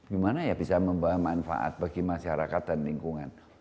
gimana ya bisa membawa manfaat bagi masyarakat dan lingkungan